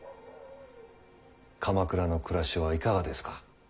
鎌倉の暮らしはいかがですか。